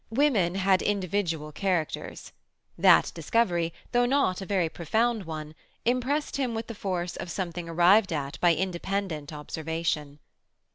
Woman had individual characters; that discovery, though not a very profound one, impressed him with the force of something arrived at by independent observation.